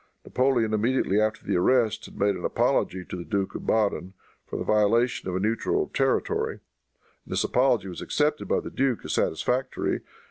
Napoleon, immediately after the arrest, had made an apology to the Duke of Baden for the violation of a neutral territory, and this apology was accepted by the duke as satisfactory.